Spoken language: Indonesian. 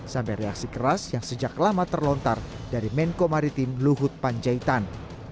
sampai reaksi keras yang sejak lama terlontar dari menko maritim luhut panjaitan